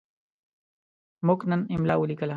موږ نن املا ولیکه.